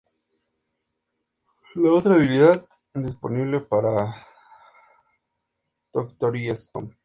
La otra habilidad disponible para Toki Tori es Stomp.